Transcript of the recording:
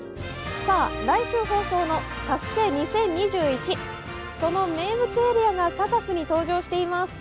来週放送の「ＳＡＳＵＫＥ２０２１」、その名物エリアがサカスに登場しています。